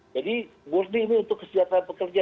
jadi buruh ini untuk kesejahteraan pekerja